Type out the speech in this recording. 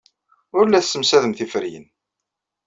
Ur la tessemsadem tiferyin.